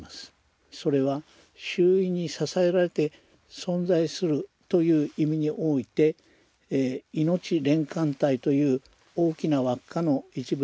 それは周囲に支えられて存在するという意味においていのち連環体という大きな輪っかの一部でもあります。